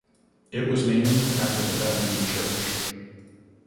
It was named after the Bethany Church.